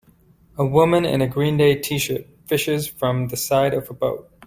A woman in a Green Day tshirt fishes from the side of a boat.